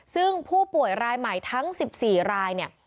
ซึ่งผู้ป่วยรายใหม่ทั้ง๑๔รายเนี่ย